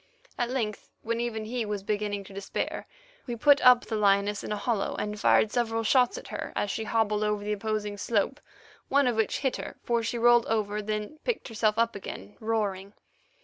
At length, when even he was beginning to despair, we put up the lioness in a hollow, and fired several shots at her as she hobbled over the opposing slope, one of which hit her, for she rolled over, then picked herself up again, roaring.